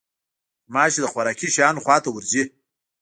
غوماشې د خوراکي شیانو خوا ته ورځي.